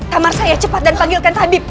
kamar saya cepat dan panggilkan tabib